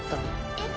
えっ？